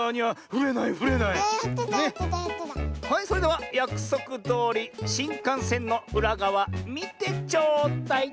はいそれではやくそくどおりしんかんせんのうらがわみてちょうだい！